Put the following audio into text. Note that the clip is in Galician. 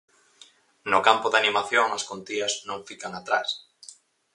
No campo da animación, as contías non fican atrás.